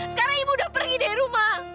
sekarang ibu udah pergi dari rumah